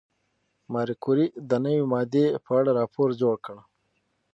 ماري کوري د نوې ماده په اړه راپور جوړ کړ.